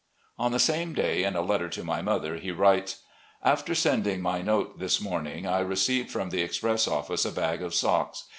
On the same day, in a letter to my mother, he writes :"... After sending my note this morning, I re. ceived from the express office a bag of socks.